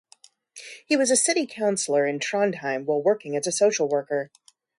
He was a city councillor in Trondheim while working as a social worker.